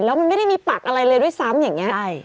แล้วมันไม่ได้มีปักอะไรเลยด้วยซ้ำอย่างนี้